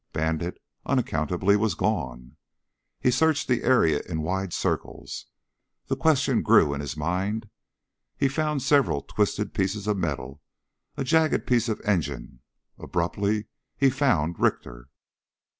Bandit unaccountably was gone. He searched the area in wide circles. The question grew in his mind. He found several twisted pieces of metal a jagged piece of engine. Abruptly he found Richter.